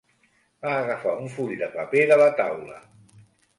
Va agafar un full de paper de la taula.